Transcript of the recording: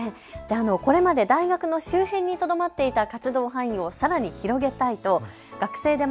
これまで大学の周辺にとどまっていた活動範囲をさらに広げたいと学生出前